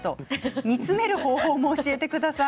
煮詰める方法も教えてください。